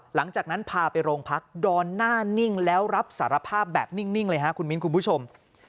หลังจากนั้นพาไปโรงพักดอนหน้านิ่งแล้วรับสารภาพแบบนิ่งเลยฮะคุณมิ้นคุณผู้ชม